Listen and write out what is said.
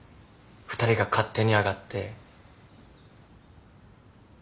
２人が勝手に上がって。